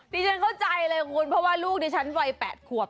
ฉันเข้าใจเลยคุณเพราะว่าลูกดิฉันวัย๘ขวบ